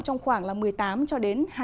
trong khoảng một mươi tám hai mươi một độ